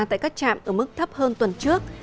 tại các trạm ở mức thấp hơn tuần trước